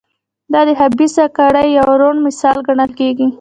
دا د خبیثه کړۍ یو روڼ مثال ګڼل کېږي.